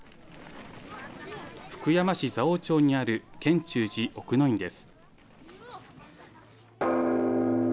福山市蔵王町にある賢忠寺奥之院です。